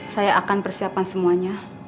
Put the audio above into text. saya akan persiapan semuanya